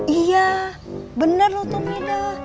iya benar lho tumida